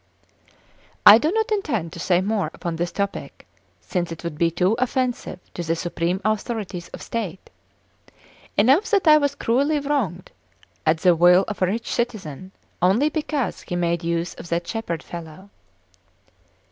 I do not intend to say more upon this topic, since it would be too offensive to the supreme authorities of state; enough that I was cruelly wronged at the will of a rich citizen, only because he made use of that shepherd fellow.